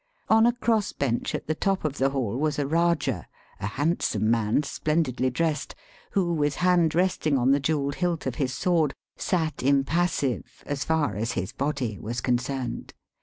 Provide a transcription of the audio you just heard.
On a cross bench at the top of the hall was a Eajah, a handsome man, splendidly dressed, who, with hand resting on the jewelled hilt of his sword, sat impassive as far as his body was concerned.